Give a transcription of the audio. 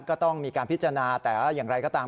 ก็ต้องมีการพิจารณาแต่ว่าอย่างไรก็ตาม